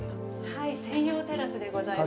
はい、専用テラスでございます。